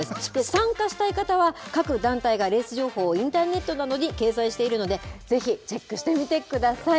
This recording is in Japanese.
参加したい方は、各団体がレース情報をインターネットなどに掲載しているので、ぜひチェックしてみてください。